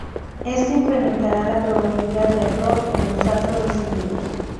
Esto incrementará la probabilidad de error en los datos recibidos.